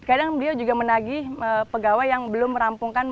sekarang beliau juga menagi pegawai yang belum merampungkan